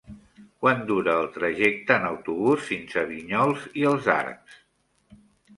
Quant dura el trajecte en autobús fins a Vinyols i els Arcs?